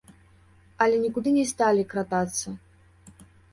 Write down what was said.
Але нікуды не сталі кратацца.